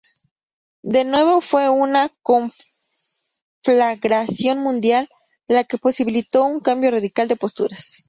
De nuevo fue una conflagración mundial la que posibilitó un cambio radical de posturas.